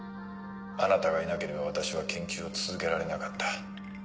あなたがいなければ私は研究を続けられなかった。